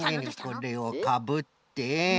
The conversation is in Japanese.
これをかぶって。